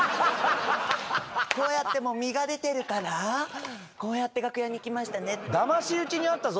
こうやってもう実が出てるからこうやって楽屋に行きましたね。